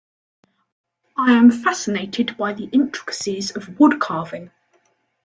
I am fascinated by the intricacies of woodcarving.